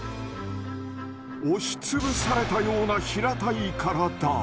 押し潰されたような平たい体。